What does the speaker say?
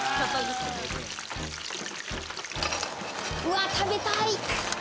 うわ、食べたい。